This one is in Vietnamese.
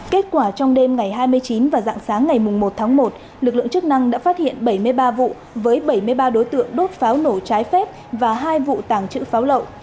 kết quả trong đêm ngày hai mươi chín và dạng sáng ngày một tháng một lực lượng chức năng đã phát hiện bảy mươi ba vụ với bảy mươi ba đối tượng đốt pháo nổ trái phép và hai vụ tàng trữ pháo lậu